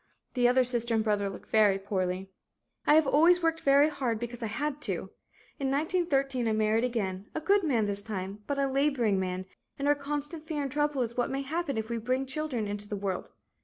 The other sister and brother look very poorly. "I have always worked very hard, because I had to. In 1913 I married again, a good man this time, but a laboring man, and our constant fear and trouble is what may happen if we bring children into the world.